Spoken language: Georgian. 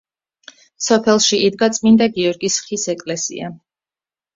სოფელში იდგა წმინდა გიორგის ხის ეკლესია.